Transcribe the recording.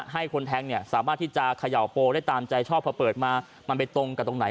ให้คนแทงสามารถที่จะเขย่าโปรตังใจพอเปิดมามันไปตรงกับตรงไหน